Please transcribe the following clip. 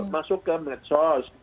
masuk ke medsos